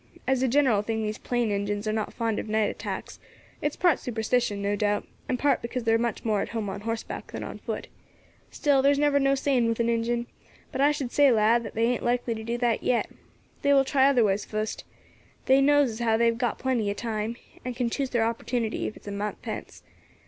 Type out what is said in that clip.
As a general thing these Plain Injins are not fond of night attacks; it's part superstition, no doubt, and part because they are much more at home on horseback than on foot. Still there's never no saying with an Injin; but I should say, lad, that they ain't likely to do that yet. They will try other ways fust. They knows as how they have got plenty of time, and can choose their opportunity, if it's a month hence.